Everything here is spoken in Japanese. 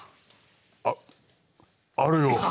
ああるよ。